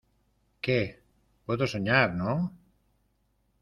Qué, puedo soñar ,¿ no?